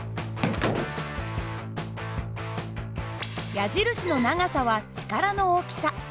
矢印の長さは力の大きさ。